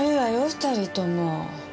２人とも。